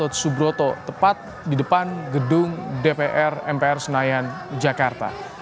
jalan gata subroto tepat di depan gedung dpr senayan jakarta